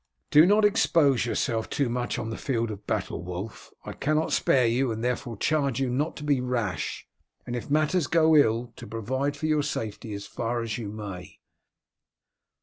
"Do not expose yourself too much on the field of battle, Wulf. I cannot spare you, and therefore charge you not to be rash, and if matters go ill to provide for your safety as far as you may."